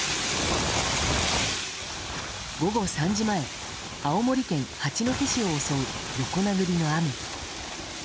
午後３時前、青森県八戸市を襲う横殴りの雨。